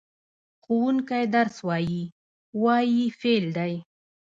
ښوونکی درس وايي – "وايي" فعل دی.